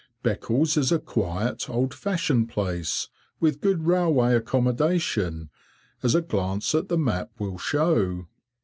Beccles is a quiet, old fashioned place, with good railway accommodation, as a glance at the map will show.